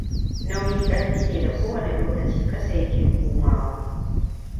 Nauyi ƙarfi ne da ko wane lokaci ƙasa ya ke komawa.